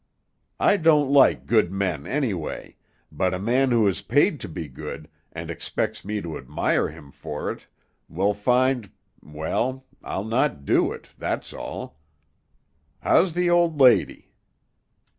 I don't like good men, any way, but a man who is paid to be good, and expects me to admire him for it, will find well, I'll not do it, that's all. How's the old lady?"